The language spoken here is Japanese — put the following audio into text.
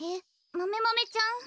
マメマメちゃん！？